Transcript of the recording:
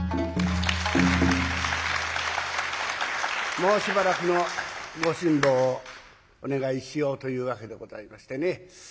もうしばらくのご辛抱をお願いしようというわけでございましてね。